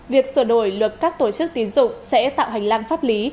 việc sửa đổi luật các tổ chức tín dụng sẽ tạo hành lang pháp lý